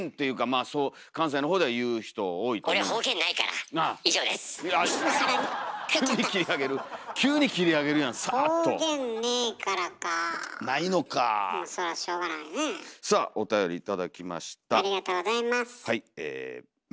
ありがとうございます。